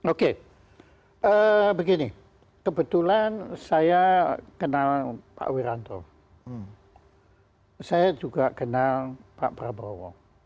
oke begini kebetulan saya kenal pak wiranto saya juga kenal pak prabowo